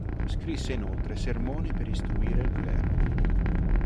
Scrisse inoltre sermoni per istruire il clero.